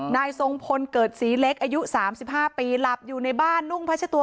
นายทรงพลเกิดศรีเล็กอายุ๓๕ปีหลับอยู่ในบ้านนุ่งพัชตัว